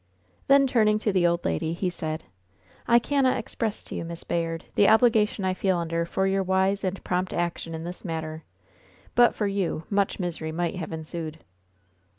Then, turning to the old lady, he said: "I cannot express to you, Miss Bayard, the obligation I feel under for your wise and prompt action in this matter. But for you much misery might have ensued."